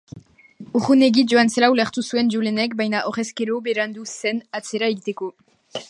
Urrunegi joan zela ulertu zuen Julenek, baina horrezkero berandu zen atzera egiteko.